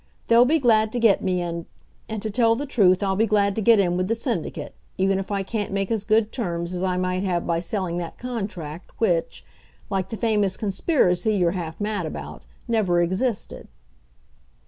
They'll be glad to get me and and, to tell the truth, I'll be glad to get in with the Syndicate, even if I can't make as good terms as I might have by selling that contract, which like the famous conspiracy you're half mad about never existed."